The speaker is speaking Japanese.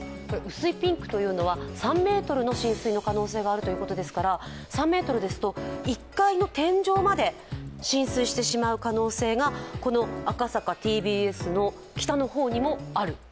薄いピンクというのは、３ｍの浸水の可能性があるということですから、３ｍですと、１階の天井まで浸水してしまう可能性がこの赤坂ＴＢＳの北の方にもある。